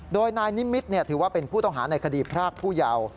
โดยนายนิมิตรถือว่าเป็นผู้ต้องหาในคดีพรากผู้เยาว์